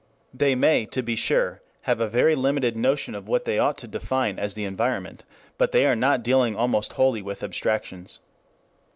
They may, to be sure, have a very limited notion of what they ought to define as the environment, but they are not dealing almost wholly with abstractions.